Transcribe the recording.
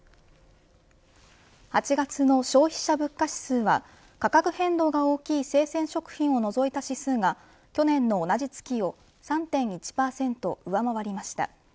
８月の消費者物価指数は価格変動が大きい生鮮食品を除いた指数が去年の同じ月を３．１％を上回りました。